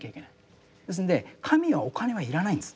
ですんで神はお金は要らないんです。